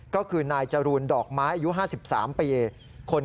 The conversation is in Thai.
ก็คือนายจรูนดอกไม้อายุ๕๓ปี